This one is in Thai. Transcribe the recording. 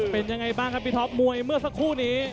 เป็นยังไงบ้างครับพี่ท็อปมวยเมื่อสักครู่นี้